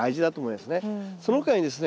その他にですね